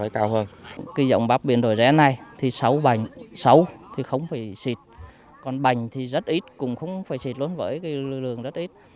cái dòng bắp biển đồi ré này thì sâu bành sâu thì không phải xịt còn bành thì rất ít cũng không phải xịt luôn với cái lương rất ít